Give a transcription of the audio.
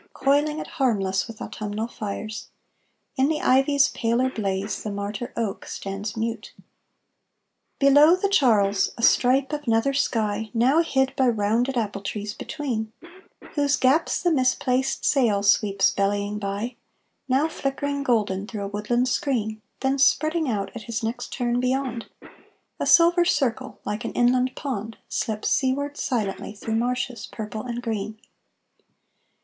Coiling it, harmless, with autumnal fires; In the ivy's paler blaze the martyr oak stands mute. Below, the Charles a stripe of nether sky, Now hid by rounded apple trees between, Whose gaps the misplaced sail sweeps bellying by, Now flickering golden through a woodland screen, Then spreading out at his next turn beyond, A silver circle like an inland pond Slips seaward silently through marshes purple and green.